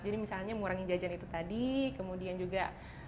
jadi misalnya mengurangi jajan itu tadi kemudian juga